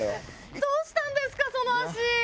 どうしたんですかその足！？